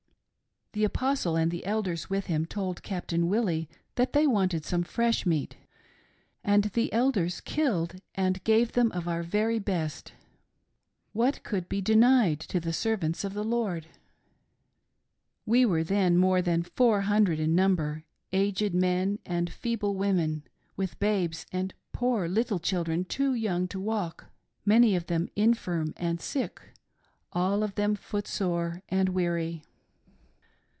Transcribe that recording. " The Apostle and the Elders with him told Captain Willie that they wanted some fresh meat, and the Elders killed and gave them of our very best. What could be denied to the Servants of the Lord.' We were then more than four hundred in number — aged men and feeble women, with babes and poor little children too young to walk; many of them infirm and sick, all of them footsore and weary.